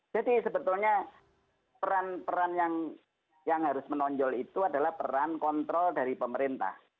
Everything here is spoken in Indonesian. jadi sebetulnya peran peran yang harus menonjol itu adalah peran kontrol dari pemerintah